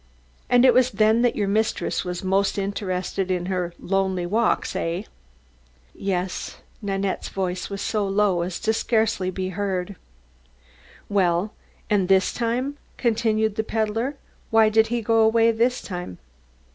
"And it was then that your mistress was most interested in her lonely walks, eh?" "Yes." Nanette's voice was so low as to be scarcely heard. "Well, and this time?" continued the peddler. "Why did he go away this time?"